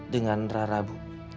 dengan rara bu